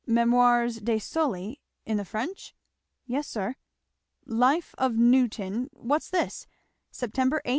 'Memoirs de Sully' in the French?" "Yes sir." "'Life of Newton' What's this? 'Sep. 8.